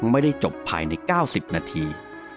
ไม่ได้จบภายในเก้าสิบนาที